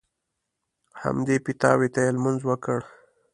همدې پیتاوي ته یې لمونځ وکړ.